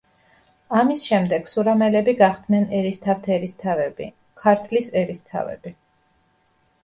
ამის შემდეგ სურამელები გახდნენ ერისთავთერისთავები, ქართლის ერისთავები.